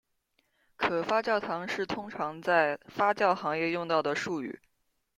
可发酵糖是通常在发酵行业用到的术语。